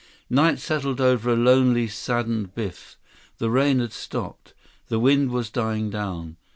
Night settled over a lonely, saddened Biff. The rain had stopped. The wind was dying down.